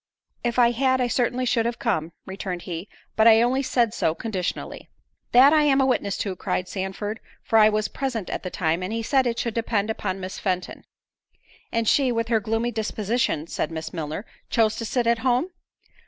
"If I had, I certainly should have come," returned he, "but I only said so conditionally." "That I am a witness to," cried Sandford, "for I was present at the time, and he said it should depend upon Miss Fenton." "And she, with her gloomy disposition," said Miss Milner, "chose to sit at home."